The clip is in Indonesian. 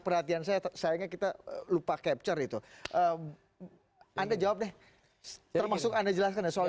perhatian saya sayangnya kita lupa capture itu anda jawab deh termasuk anda jelaskan ya soal